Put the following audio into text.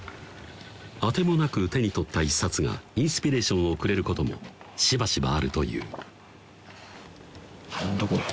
当てもなく手に取った一冊がインスピレーションをくれることもしばしばあるという何だ？